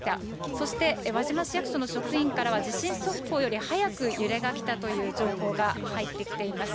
そして、輪島市役所の職員からは、地震速報より早く揺れが来たという情報が入ってきています。